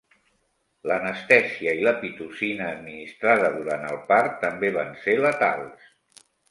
L'anestèsia i la pitocina administrada durant el part també van ser letals.